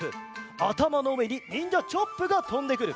あたまのうえににんじゃチョップがとんでくる。